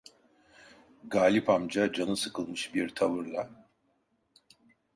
Galip amca canı sıkılmış bir tavırla: